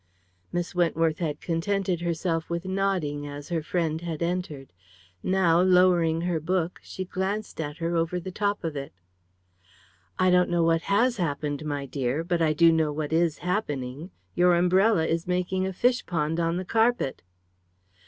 Miss Wentworth had contented herself with nodding as her friend had entered. Now, lowering her book, she glanced at her over the top of it. "I don't know what has happened, my dear, but I do know what is happening your umbrella is making a fish pond on the carpet."